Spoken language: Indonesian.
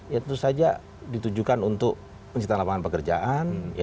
ya tentu saja ditujukan untuk penciptaan lapangan pekerjaan